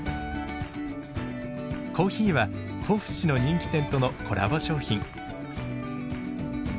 コーヒーは甲府市の人気店とのコラボ商品。